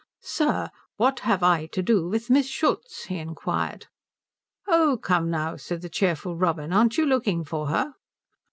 "Sir, what have I to do with Miss Schultz?" he inquired. "Oh come now," said the cheerful Robin, "aren't you looking for her?"